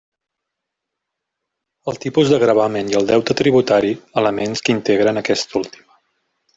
El tipus de gravamen i el deute tributari; elements que integren aquesta última.